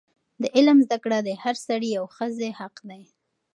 د علم زده کړه د هر سړي او ښځې حق دی.